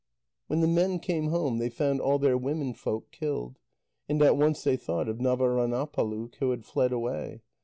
When the men came home, they found all their womenfolk killed, and at once they thought of Navaránâpaluk, who had fled away.